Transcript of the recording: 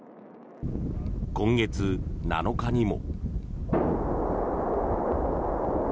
今月７日にも。